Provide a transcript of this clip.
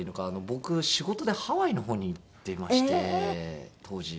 僕仕事でハワイの方に行ってまして当時。